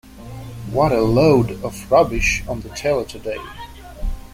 What a load of rubbish on the telly today.